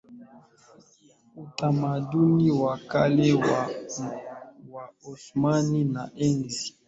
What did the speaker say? utamaduni wa kale wa Waosmani na enzi